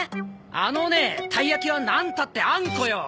あのねえたいやきはなんたってあんこよ！